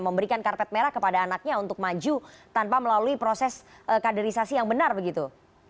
memberikan karpet merah kepada anaknya untuk maju tanpa melalui proses kaderisasi yang benar begitu